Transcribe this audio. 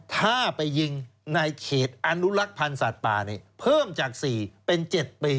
ถ้าไปยิงในเขตอนุลักษณ์พันธุ์สัตว์ป่านี้เพิ่มจากสี่เป็นเจ็ดปี